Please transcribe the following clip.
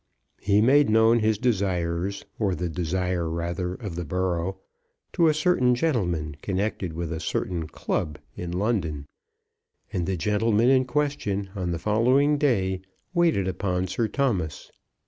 He made known his desires, or the desire rather of the borough, to a certain gentleman connected with a certain club in London, and the gentleman in question on the following day waited upon Sir Thomas.